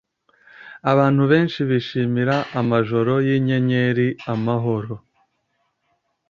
Abantu benshi bishimira amajoro yinyenyeri, amahoro.